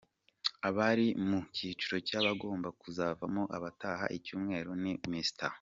Abari mu cyiciro cy’abagomba kuzavamo abataha iki Cyumweru ni: Mr.